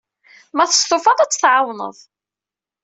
Ma testufaḍ, ad t-tɛawneḍ.